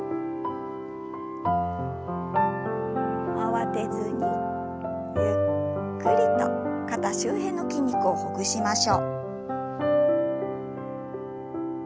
慌てずにゆっくりと肩周辺の筋肉をほぐしましょう。